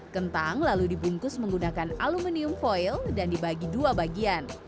kentang lalu dibungkus menggunakan aluminium foil dan dibagi dua bagian